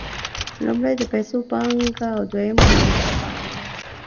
لومړی د پیسو پانګه او دویم مولده پانګه ده